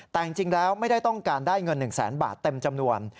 แต่จริงแล้วไม่ได้ต้องการได้เงิน๑แสนบาทเต็มจำนวน